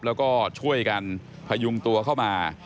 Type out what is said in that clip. แล้วก็ช่วยกันพยุงตัวเข้ามา